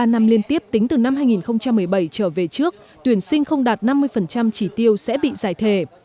ba năm liên tiếp tính từ năm hai nghìn một mươi bảy trở về trước tuyển sinh không đạt năm mươi chỉ tiêu sẽ bị giải thề